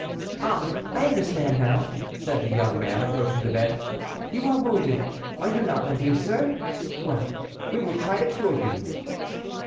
"Ah, I understand now," said the young man, approaching the bed; "you are wounded, are you not, my dear sir? Well, we will try to cure you."